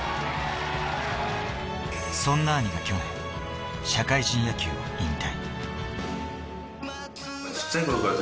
そんな兄が去年、社会人野球を引退。